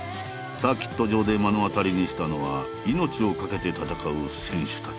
サーキット場で目の当たりにしたのは命をかけて戦う選手たち。